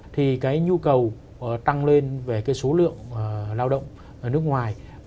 thì cái nhu cầu tăng lên về cái số lượng lao động ở nước ngoài